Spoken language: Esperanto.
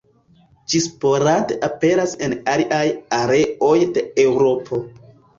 Ĝi sporade aperas en aliaj areoj de Eŭropo.